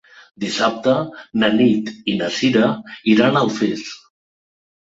Dissabte na Nit i na Sira iran a Alfés.